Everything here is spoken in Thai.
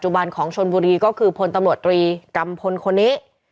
บันของชนบุรีก็คือพลตำรวจตรีกัมพลคนนี้